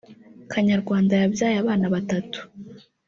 Kanyarwanda yabyaye abana batatu